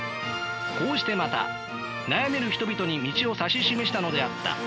こうしてまた悩める人々に道を指し示したのであった。